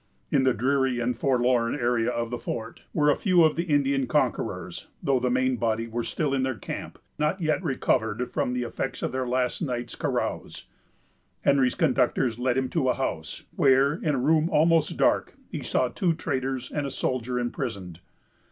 In the dreary and forlorn area of the fort were a few of the Indian conquerors, though the main body were still in their camp, not yet recovered from the effects of their last night's carouse. Henry's conductors led him to a house, where, in a room almost dark, he saw two traders and a soldier imprisoned.